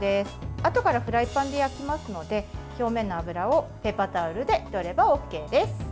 あとからフライパンで焼きますので表面の油をペーパータオルでとればＯＫです。